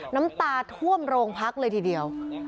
น้ำตาท่วมโรงพักเลยทีเดียว